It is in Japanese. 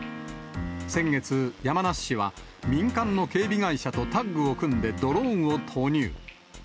先月、山梨市は民間の警備会社とタッグを組んで、ドローンを投入。